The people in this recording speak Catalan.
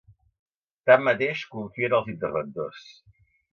Tanmateix, confia en els interventors.